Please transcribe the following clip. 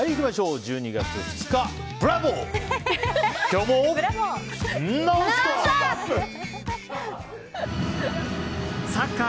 １２月２日、ブラボー！